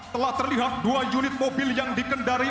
telah terlihat dua unit mobil yang dikendari